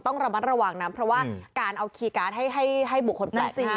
ต้องระมัดระวังนะเพราะว่าการเอาคีย์การ์ดให้บุคคลแปลกหน้า